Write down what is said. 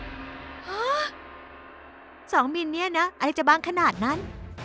๒มิลลิเมตรเนี่ยนะอะไรจะบ้างขนาดนั้น